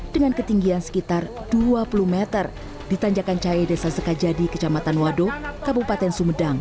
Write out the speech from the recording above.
dengan ketinggian sekitar dua puluh m ditanjakan cahaya desa sekajadi kecamatan wado kabupaten sumedang